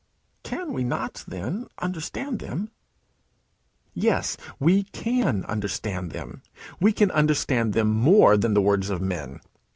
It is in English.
"Can we not, then, understand them?" Yes, we can understand them we can understand them more than the words of men.